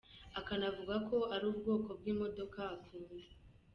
Akanavuga ko ari bwo bwoko bw’imodoka akunda.